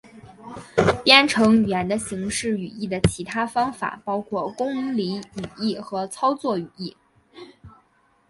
编程语言的形式语义的其他方法包括公理语义和操作语义。